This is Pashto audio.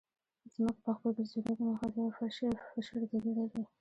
ځمکه په خپل ګرځېدونکي محور یوه فشردګي لري